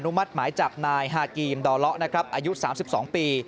มัติหมายจับนายฮากีมดอเลาะนะครับอายุ๓๒ปี